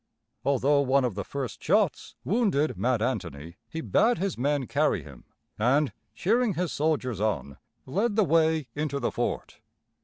Although one of the first shots wounded Mad Anthony, he bade his men carry him, and, cheering his soldiers on, led the way into the fort.